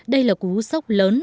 đây là cú sốc lớn